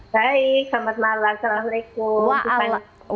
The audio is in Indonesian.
baik selamat malam assalamualaikum